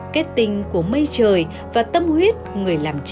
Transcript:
kết tinh của mây trời và tâm huyết người làm trà